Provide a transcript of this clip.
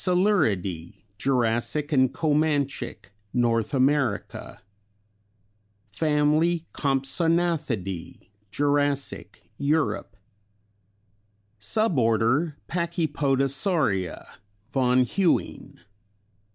Coeluridæ Jurassic and Comanchic, North America. " Compsognathidæ Jurassic, Europe. Suborder Pachypodosauria von Huene.